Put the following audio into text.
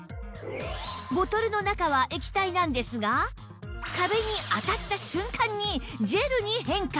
ボトルの中は液体なんですが壁に当たった瞬間にジェルに変化